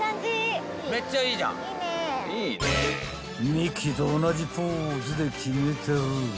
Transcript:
［ミッキーと同じポーズで決めてる］